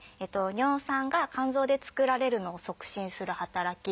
尿酸が肝臓で作られるのを促進する働き